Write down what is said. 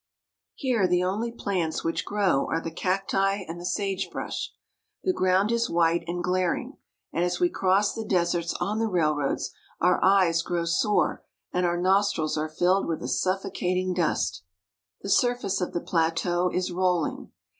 Here the only plants which grow are the cacti and the sagebrush. The ground is white and glar ing, and as we cross the deserts on the railroads, our eyes grow sore and our nostrils are filled with a suffocating dust. The surface of the plateau is rolling.